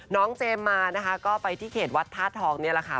เจมส์มานะคะก็ไปที่เขตวัดธาตุทองนี่แหละค่ะ